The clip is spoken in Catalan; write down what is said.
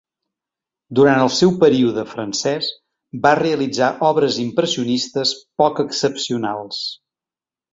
Durant el seu període francès va realitzar obres impressionistes poc excepcionals.